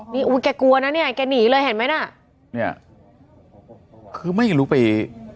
นี่อุ้ยแกกลัวนะเนี่ยแกหนีเลยเห็นไหมน่ะเนี่ยคือไม่รู้ไป